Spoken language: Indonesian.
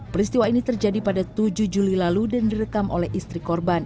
peristiwa ini terjadi pada tujuh juli lalu dan direkam oleh istri korban